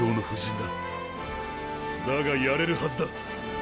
だがやれるはずだ。